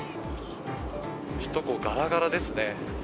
首都高、ガラガラですね。